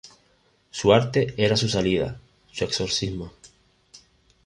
Su arte era su salida, su exorcismo.